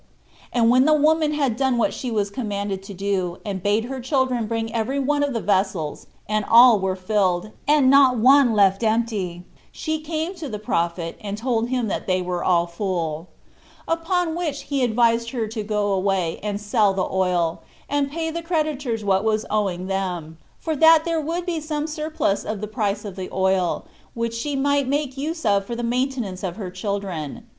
And when the woman had done what she was commanded to do, and bade her children bring every one of the vessels, and all were filled, and not one left empty, she came to the prophet, and told him that they were all full; upon which he advised her to go away, and sell the oil, and pay the creditors what was owing them, for that there would be some surplus of the price of the oil, which she might make use of for the maintenance of her children.